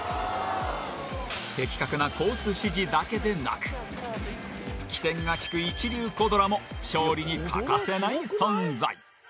的確なコース指示だけでなく機転が利く一流コ・ドラも勝利に欠かせない存在。